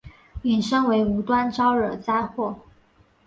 引申为无端招惹灾祸。